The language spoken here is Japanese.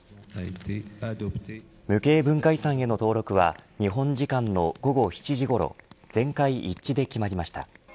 無形文化遺産への登録は日本時間の午後７時ごろ全会一致で決まりました。